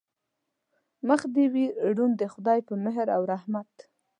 مخ دې وي روڼ د خدای په مهر و رحمت.